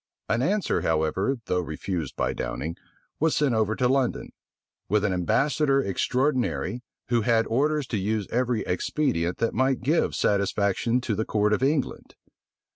An answer, however, though refused by Downing, was sent over to London; with an ambassador extraordinary, who had orders to use every expedient that might give satisfaction to the court of England.